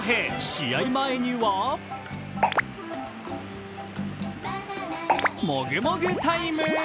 試合前にはもぐもぐタイム。